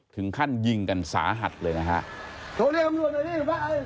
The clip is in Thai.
ถึงขั้นยิงกันสาหัสเลยนะครับ